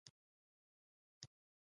آیا او اباد کړی نه دی؟